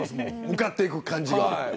向かっていく感じが。